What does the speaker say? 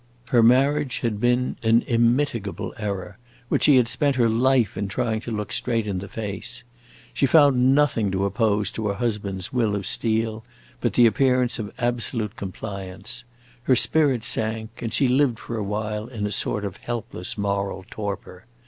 Her marriage had been an immitigable error which she had spent her life in trying to look straight in the face. She found nothing to oppose to her husband's will of steel but the appearance of absolute compliance; her spirit sank, and she lived for a while in a sort of helpless moral torpor.